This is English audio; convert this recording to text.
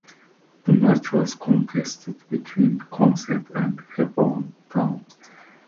The match was contested between Consett and Hebburn Town.